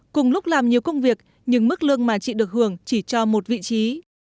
cùng lúc làm nhiều công việc nhưng mức lương mà chị được hưởng chỉ cho một vị trí